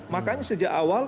makanya sejak awal